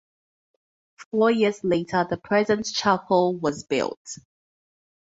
Four years later the present chapel was built.